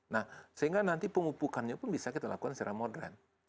nah sehingga nanti pengupukannya pun bisa kita lakukan secara modern